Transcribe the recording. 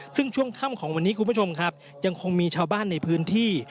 ซึ่งช่วงค่ำของวันนี้คุณผู้ชมครับยังคงมีชาวบ้านในพื้นที่